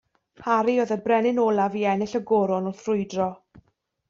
Harri oedd y brenin olaf i ennill y goron wrth frwydro